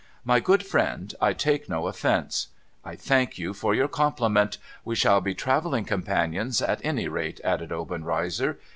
My good friend, I take no offence. I thank you for your compliment. We shall be travelling companions at any rate,' added Obenreizer.